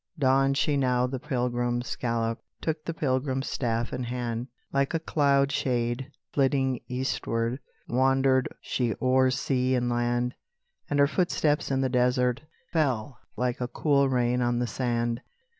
Donned she now the pilgrim scallop, Took the pilgrim staff in hand; Like a cloud shade, flitting eastward, Wandered she o'er sea and land; And her footsteps in the desert Fell like cool rain on the sand.